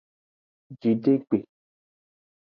Jidegbe.